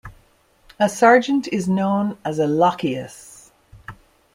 A sergeant is known as a lochias.